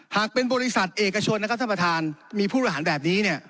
หากเป็นบริษัทเอกชนนะครับท่านประธานมีผู้ประหารแบบนี้เนี่ย